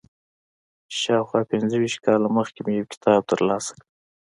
شاوخوا پنځه ویشت کاله مخکې مې یو کتاب تر لاسه کړ.